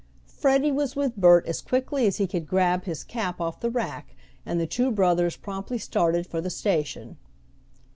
Freddie was with Bert as quickly as he could grab his cap off the rack, and the two brothers promptly started for the station.